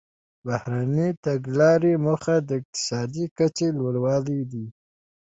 د بهرنۍ تګلارې موخه د اقتصادي کچې لوړول دي